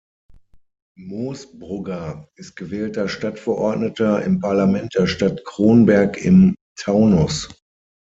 Moosbrugger ist gewählter Stadtverordneter im Parlament der Stadt Kronberg im Taunus.